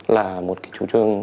là một cái chú trương